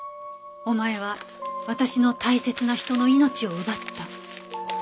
「おまえは私の大切な人の命を奪った」